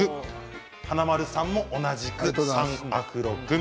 華丸さんも同じく３アフロ君。